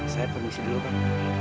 saya permisi dulu kang